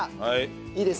はい。